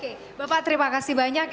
oke bapak terima kasih banyak